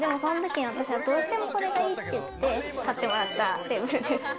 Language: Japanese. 私はどうしてもこれがいいって言って、買ってもらったテーブルです。